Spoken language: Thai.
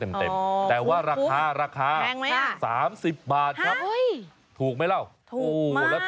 ไม่กินไก่ออกไปเลยล่ะ